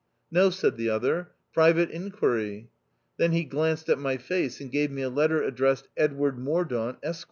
"No," said the other; "private inquiry." Then he glanced at my face, and gave me a letter addressed Edward Mordaunt, Esq.